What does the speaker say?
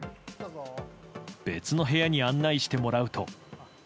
別の部屋に案内してもらうと。